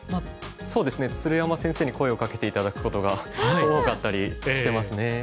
そうですね鶴山先生に声をかけて頂くことが多かったりしてますね。